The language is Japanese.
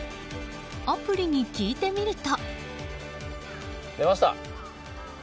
アプリに聞いてみると。